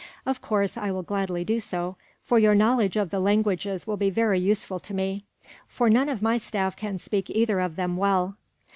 Of course, I will gladly do so, for your knowledge of the languages will be very useful to me, for none of my staff can speak either of them well."